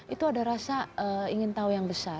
itu ada rasa ingin tahu yang besar